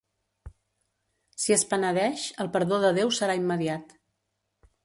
Si es penedeix, el perdó de Déu serà immediat.